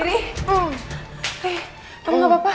eh kamu gak apa apa